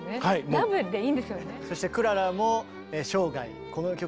ラブでいいんですよね。